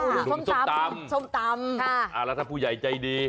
ค่ะอุดดูดชมตำชมตำค่ะแล้วถ้าผู้ใหญ่ใจดี